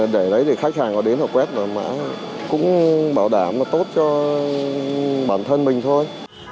để lấy thì khách hàng họ đến họ quét rồi mà cũng bảo đảm là tốt cho bản thân mình thôi